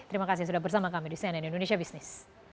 terima kasih sudah bersama kami di cnn indonesia business